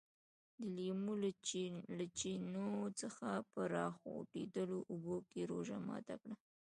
د لیمو له چینو څخه په راخوټېدلو اوبو یې روژه ماته کړه.